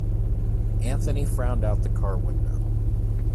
Anthony frowned out the car window.